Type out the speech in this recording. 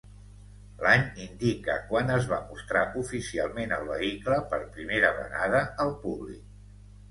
L'any indica quan es va mostrar oficialment el vehicle per primera vegada al públic.